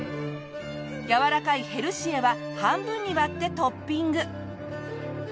やわらかいヘルシエは半分に割ってトッピング。